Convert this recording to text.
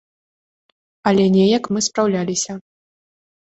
Але неяк мы спраўляліся.